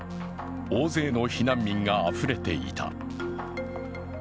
大勢の避難民があふれていた。